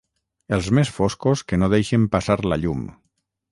Els més foscos que no deixen passar la llum.